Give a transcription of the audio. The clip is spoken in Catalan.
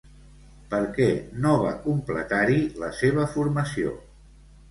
Per què no va completar-hi la seva formació?